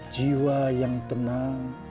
jiwa yang tenang